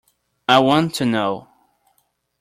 I want to know.